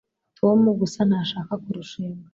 tom gusa ntashaka kurushinga